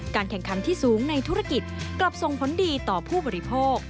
แข่งขันที่สูงในธุรกิจกลับส่งผลดีต่อผู้บริโภค